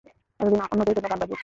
এতদিন অন্যদের জন্য গান বাজিয়েছি।